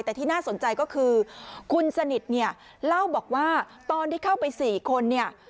แต่ที่น่าสนใจก็คือคุณสนิทเนี่ยเล่าบอกว่าตอนที่เข้าไป๔คนเนี่ย